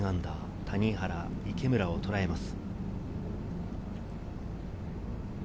谷原、池村をとらえます。